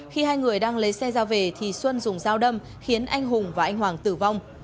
khi hai người đang lấy xe ra về thì xuân dùng dao đâm khiến anh hùng và anh hoàng tử vong